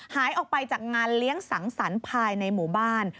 หายออกไปจากงานเลี้ยงสังสรรค์ภายในหมู่บ้าน